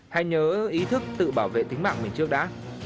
hãy nhớ ý thức tự bảo vệ tính mạng mình trước đã